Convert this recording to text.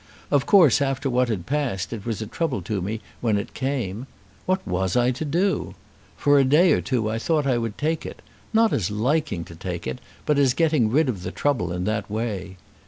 Of course, after what had passed, it was a trouble to me when it came. What was I to do? For a day or two I thought I would take it, not as liking to take it, but as getting rid of the trouble in that way.